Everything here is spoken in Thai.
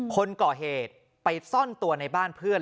คนก่อเหตุไปซ่อนตัวในบ้านเพื่อน